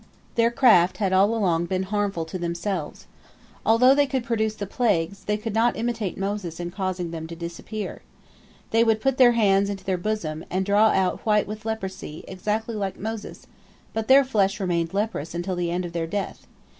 Their craft had all along been harmful to themselves. Although they could produce the plagues, they could not imitate Moses in causing them to disappear. They would put their hands into their bosom, and draw them out white with leprosy, exactly like Moses, but their flesh remained leprous until the day of their death.